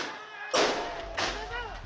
tidak tidak tidak